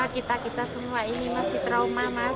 kita kita semua ini masih trauma mas